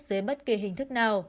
dưới bất kỳ hình thức nào